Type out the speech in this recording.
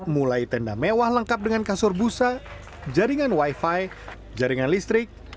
mulai tenda mewah lengkap dengan kasur busa jaringan wifi jaringan listrik